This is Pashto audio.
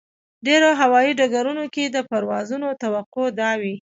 ډېرو هوایي ډګرونو کې د پروازونو توقع دا وي.